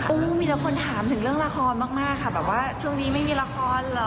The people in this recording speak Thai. มีแล้วคนถามถึงเรื่องละครมากค่ะแบบว่าช่วงนี้ไม่มีละครเหรอ